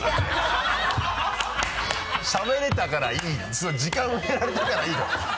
しゃべれたからいい時間埋められたからいいとは。